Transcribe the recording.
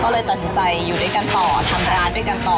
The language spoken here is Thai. ก็เลยตัดสินใจอยู่ด้วยกันต่อทำร้านด้วยกันต่อ